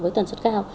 với tần suất cao